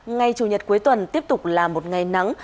ngày chủ nhật cuối tuần tiếp tục là một ngày nắng